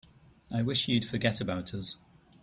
I wish you'd forget about us.